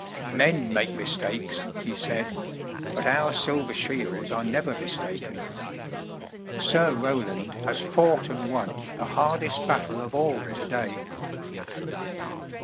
"Men make mistakes," he said, "but our silver shields are never mistaken. Sir Roland has fought and won the hardest battle of all today."